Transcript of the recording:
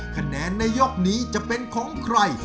คะแนนในยกนี้จะเป็นของใคร